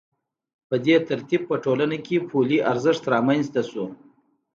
په دې ترتیب په ټولنه کې پولي ارزښت رامنځته شو